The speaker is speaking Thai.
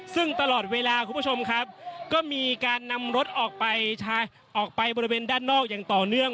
ซึ่งตลอดเวลาคุณผู้ชมครับก็มีการนำรถออกไปออกไปบริเวณด้านนอกอย่างต่อเนื่อง